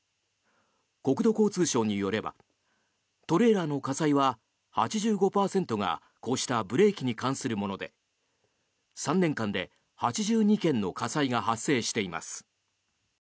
国土交通省によればトレーラーの火災は８５％がこうしたブレーキに関するもので３年間で８２件の火災が発生しています。